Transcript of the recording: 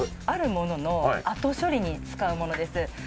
あるものの後処理に使うものです。